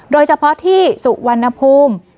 โดยเฉพาะที่สุวรรณภูมิ